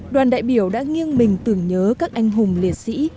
đoàn đại biểu đã nghiêng mình tưởng nhớ các anh hùng liệt sĩ